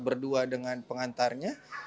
berdua dengan pengantarnya